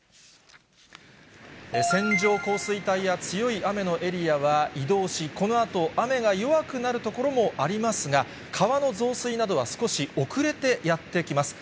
線状降水帯や強い雨のエリアは移動し、このあと、雨が弱くなる所もありますが、川の増水などは少し遅れてやってきます。